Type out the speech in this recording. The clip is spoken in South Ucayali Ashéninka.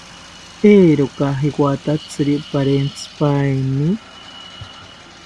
¿Eeroka jewatatziri perentzipaeni?